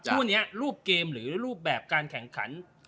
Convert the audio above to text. ช่วงนี้รูปเกมหรือรูปแบบการแข่งขัน